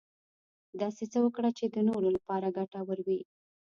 داسې څه وکړه چې د نورو لپاره ګټور وي .